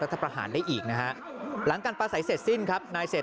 คนพวกนี้อยู่มา๘ปีมันหลอกต้มประชาชุมมามากแล้ว